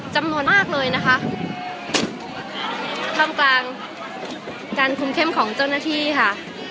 จำนวนมากเลยนะคะท่ามกลางการคุมเข้มของเจ้าหน้าที่ค่ะ